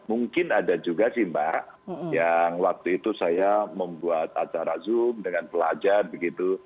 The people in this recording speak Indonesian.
mungkin ada juga sih mbak yang waktu itu saya membuat acara zoom dengan pelajar begitu